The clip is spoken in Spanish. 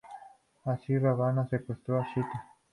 Así Rávana secuestró a Sita.